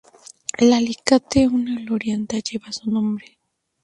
En Alicante una glorieta lleva su nombre.